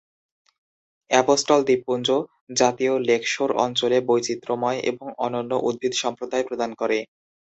Apostle দ্বীপপুঞ্জ জাতীয় Lakeshore অঞ্চলে বৈচিত্র্যময় এবং অনন্য উদ্ভিদ সম্প্রদায় প্রদান করে।